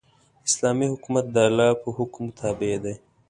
اسلامي حکومت د الله د حکم تابع دی.